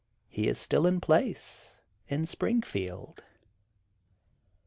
He is still in place, in Springfield.